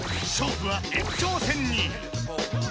勝負は延長戦に。